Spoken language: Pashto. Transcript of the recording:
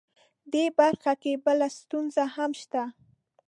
دې برخه کې بله ستونزه هم شته